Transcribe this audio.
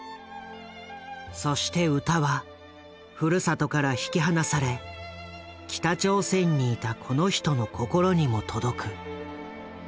そして歌はふるさとから引き離され北朝鮮にいたこの人の心にも届く。